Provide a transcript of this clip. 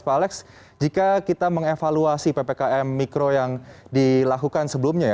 pak alex jika kita mengevaluasi ppkm mikro yang dilakukan sebelumnya ya